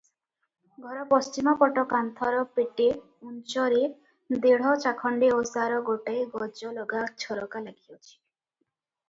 ଘର ପଶ୍ଚିମ ପଟ କାନ୍ଥର ପେଟେ ଉଞ୍ଚରେ ଦେଢ଼ ଚାଖଣ୍ତେ ଓସାର ଗୋଟାଏ ଗଜଲଗା ଝରକା ଲାଗିଅଛି ।